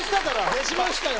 出しましたよ